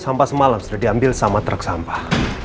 sampah semalam sudah diambil sama truk sampah